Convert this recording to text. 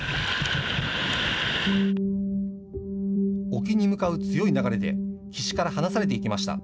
沖に向かう強い流れで岸から離されていきました。